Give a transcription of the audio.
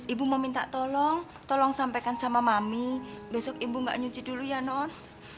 ibu mau minta tolong tolong sampaikan sama mami besok ibu nggak nyuci dulu ya non